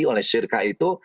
oleh syirka itu